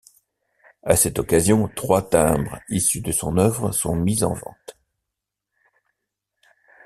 À cette occasion, trois timbres issus de son œuvre sont mis en vente.